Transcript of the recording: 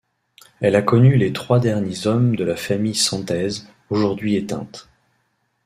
Elle a connu les trois derniers hommes de la famille Santèze, aujourd’hui éteinte.